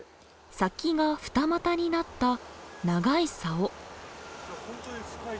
先が二股になった長いさお。